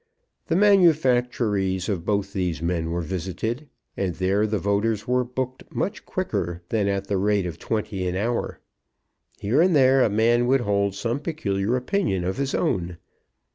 The manufactories of both these men were visited, and there the voters were booked much quicker than at the rate of twenty an hour. Here and there a man would hold some peculiar opinion of his own.